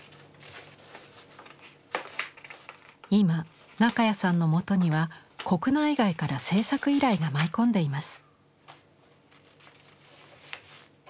今中谷さんの元には国内外から制作依頼が舞い込んでいます。